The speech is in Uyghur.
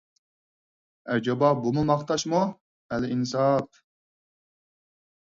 ئەجەبا بۇمۇ ماختاشمۇ، ئەلئىنساپ!!!